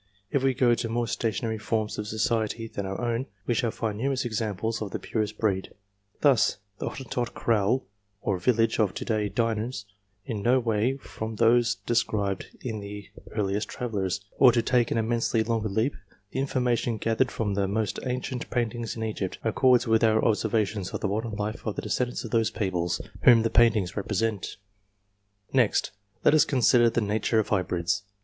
If we go to more stationary forms of society than our own, we shall find numerous examples of the purest breed : thus, the Hottentot kraal or village of to day differs in no way from those described by the earliest travellers ; or, to take an immensely longer leap, the information gathered from the most ancient paintings in Egypt, accords with our observations of the modern life of the descendants of those peoples, whom the paintings represent. 352 GENERAL CONSIDERATIONS Next, let us consider the nature of hybrids.